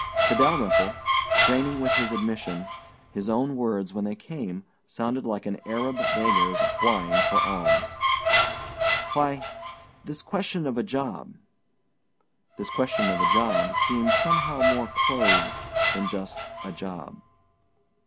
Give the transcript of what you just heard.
To Dalyrimple, straining with his admission, his own words, when they came, sounded like an Arab beggar's whine for alms. "Why this question of a job." ("This question of a job" seemed somehow more clothed than just "a job.")